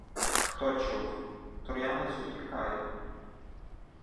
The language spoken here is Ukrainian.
Хто чув? Троянець утікає!